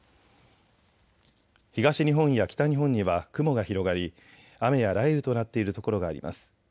東日本や北日本には雲が広がり雨や雷雨となっている所があります。